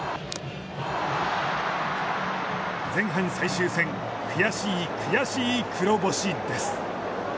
前半最終戦悔しい、悔しい黒星です。